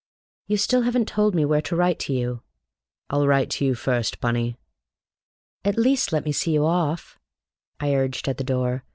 "You still haven't told me where to write to you." "I'll write to you first, Bunny." "At least let me see you off," I urged at the door.